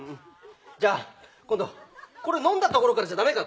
じゃあ今度これ飲んだところからじゃ駄目か？